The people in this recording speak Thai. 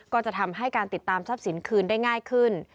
ก็จะทำให้การติดตามทรัพย์สินคืนได้ง่ายขึ้น